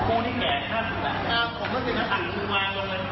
โปรดติดตามตอนต่อไป